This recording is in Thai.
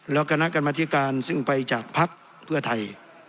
แล้วคณะกรรมธิการซึ่งไปจากภักดิ์เพื่อไทย